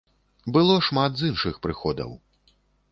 Было шмат з іншых прыходаў.